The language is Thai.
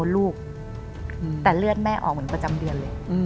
แต่เลือดแม่ออกเหมือนประจำเดือนเลย